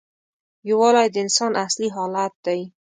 یووالی د انسان اصلي حالت دی.